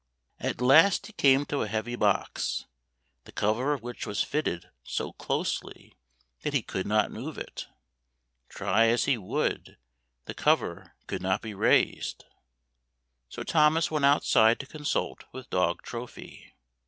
At last he came to a heavy box, the cover of which was fitted so closely that he could not move it. Try as he would, the cover could not be raised. So Thomas went outside to consult with dog Trophy.